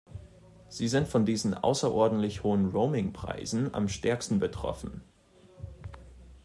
Sie sind von diesen außerordentlich hohen Roaming-Preisen am stärksten betroffen.